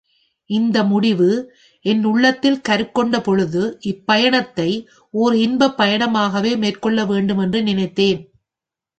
இந்த முடிவு என் உள்ளத்தில் கருக்கொண்ட பொழுது, இப்பயணத்தை ஓர் இன்பப் பயணமாகவே மேற்கொள்ள வேண்டும் என்று நினைத்தேன்.